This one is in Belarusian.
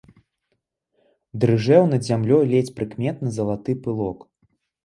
Дрыжэў над зямлёй ледзь прыкметны залаты пылок.